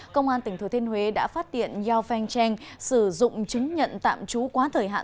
công an tỉnh thừa thiên huế đã phát tiện yao feng cheng sử dụng chứng nhận tạm trú quá thời hạn